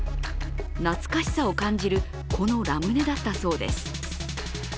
懐かしさを感じる、このラムネだったそうです。